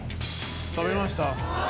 食べました。